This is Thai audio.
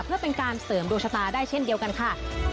เพื่อเป็นการเสริมดวงชะตาได้เช่นเดียวกันค่ะ